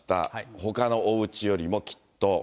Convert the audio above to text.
ほかのおうちよりも、きっと。